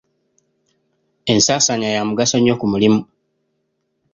Ensaasaanya ya mugaso nnyo ku mulimu.